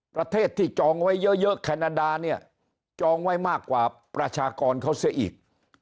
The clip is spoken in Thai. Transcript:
ประเทศที่จองไว้เยอะแคนาดาเนี่ยจองไว้มากกว่าประชากรเขาเสียอีก